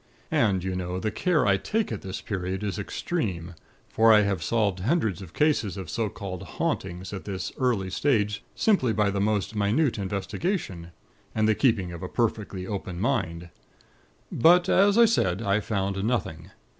And, you know, the care I take at this period is extreme; for I have solved hundreds of cases of so called 'hauntings' at this early stage, simply by the most minute investigation, and the keeping of a perfectly open mind. But, as I have said, I found nothing.